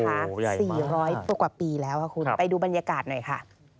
โอ้ใหญ่มากค่ะครับสี่ร้อยต้นกว่าปีแล้วคุณไปดูบรรยากาศหน่อยค่ะ